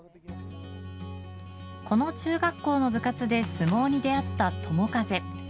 この中学校の部活で相撲に出会った友風。